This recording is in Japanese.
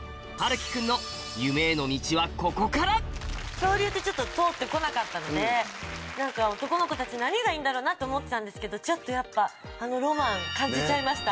恐竜ってちょっと通ってこなかったので男の子たち何がいいんだろうなと思ってたんですけどちょっとやっぱ。